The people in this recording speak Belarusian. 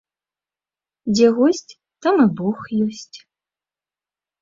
Дзе госць, там і бог ёсць.